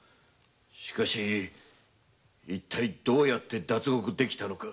しかし一体どうやって脱獄できたのか。